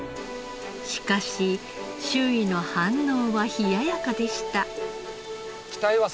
しかし周囲の反応は冷ややかでした。